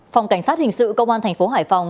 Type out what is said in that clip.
phòng cảnh sát hình sự công an thành phố hải phòng